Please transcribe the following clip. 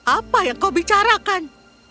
apa yang kau bicarakan